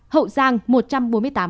hậu giang một trăm bốn mươi tám ca